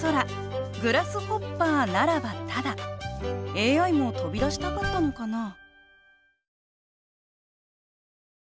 ＡＩも飛び出したかったのかな？